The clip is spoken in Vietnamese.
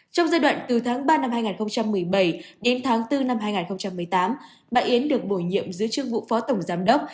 trong giai đoạn từ tháng ba năm hai nghìn một mươi bảy đến tháng bốn năm hai nghìn một mươi tám bà yến được bổ nhiệm dưới chức vụ phó tổng giám đốc